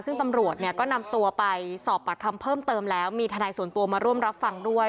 ซึ่งตำรวจเนี่ยก็นำตัวไปสอบปากคำเพิ่มเติมแล้วมีทนายส่วนตัวมาร่วมรับฟังด้วย